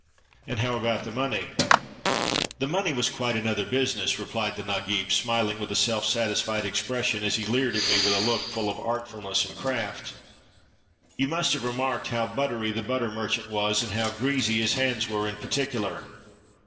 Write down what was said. And how about the money?" "The money was quite another business," replied the Nagib, smiling with a self satisfied expression, as he leered at me with a look full of artf uhiess and craft. " You must have remarked how buttery the butter merchant was and how greasy his hands were in particular.